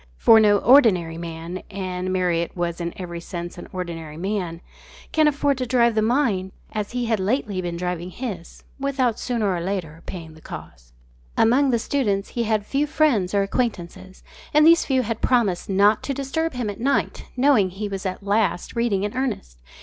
For no ordinary man and Marriott was in every sense an ordinary man can afford to drive the mind as he had lately been driving his, without sooner or later paying the cost. Among the students he had few friends or acquaintances, and these few had promised not to disturb him at night, knowing he was at last reading in earnest.